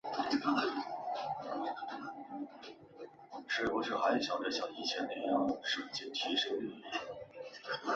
圣若塞代邦克人口变化图示